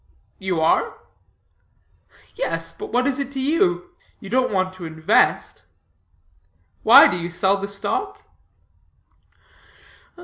"You are?" "Yes, but what is it to you? You don't want to invest?" "Why, do you sell the stock?"